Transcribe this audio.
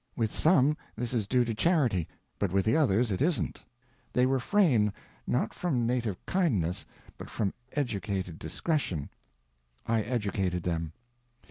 With some, this is due to charity, but with the others it isn't. They refrain, not from native kindness but from educated discretion. I educated them.